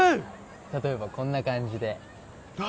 例えばこんな感じで来玖